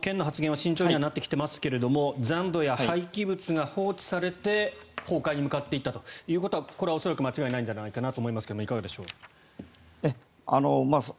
県の発言は慎重にはなってきていますが残土や廃棄物が放置されて、崩壊に向かっていったということは間違いないんじゃないかと思いますかいかがでしょう？